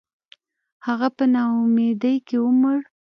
• هغه په ناامیدۍ کې ومړ.